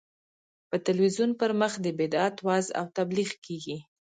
په تلویزیون پر مخ د بدعت وعظ او تبلیغ کېږي.